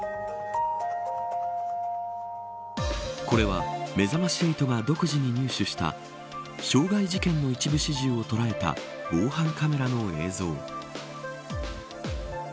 これはめざまし８が独自に入手した傷害事件の一部始終を捉えた防犯カメラの映像。